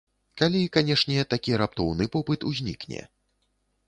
Калі, канешне, такі раптоўны попыт узнікне.